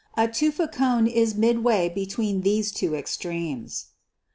A tufa cone is midway between these two extremes.